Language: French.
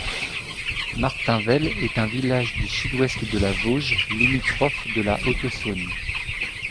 Martinvelle est un village du Sud-Ouest de la Vôge, limitrophe de la Haute-Saône.